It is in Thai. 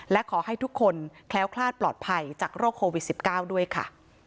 และขอให้ทุกคนแคล้วคลาดปลอดภัยจากโรคโควิด๑๙ด้วยค่ะ